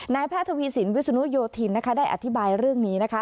แพทย์ทวีสินวิศนุโยธินได้อธิบายเรื่องนี้นะคะ